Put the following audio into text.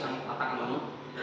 yang atakan menu